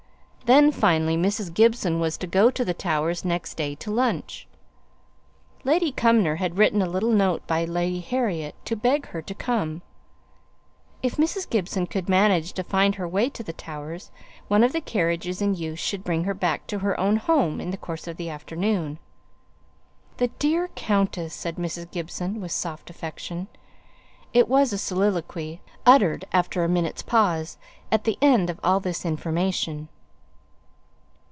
Then, finally, Mrs. Gibson was to go to the Towers next day to lunch; Lady Cumnor had written a little note by Lady Harriet to beg her to come; if Mrs. Gibson could manage to find her way to the Towers, one of the carriages in use should bring her back to her own home in the course of the afternoon. "The dear countess!" said Mrs. Gibson, with soft affection. It was a soliloquy, uttered after a minute's pause, at the end of all this information.